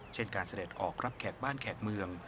เช่นการเสด็จออกรับแขกบ้านแขกเมือง